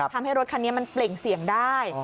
ทำให้รถคันนี้มันเปล่งเสี่ยงได้